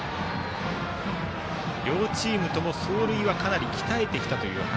両チームとも走塁はかなり鍛えてきたという話。